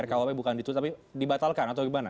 rkwp bukan ditunda tapi dibatalkan atau bagaimana